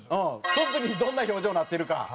その時にどんな表情なってるか。